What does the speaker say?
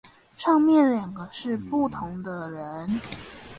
上面兩個是不同的人